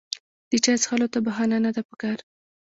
د چای څښلو ته بهانه نه ده پکار.